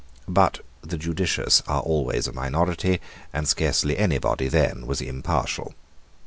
But the judicious are always a minority; and scarcely anybody was then impartial.